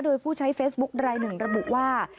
โดยผู้ใช้เฟซบุ๊คลายหนึ่งระบุว่า